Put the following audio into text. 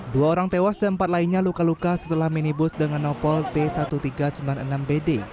dua orang tewas dan empat lainnya luka luka setelah minibus dengan nopol t seribu tiga ratus sembilan puluh enam bd